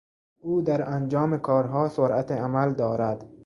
او در انجام کارها سرعت عمل دارد.